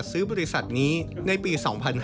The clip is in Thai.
ซื้อบริษัทนี้ในปี๒๕๕๙